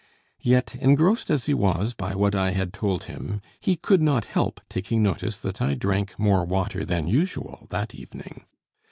Yet, engrossed as he was by what I had told him, he could not help taking notice that I drank more water than usual that evening.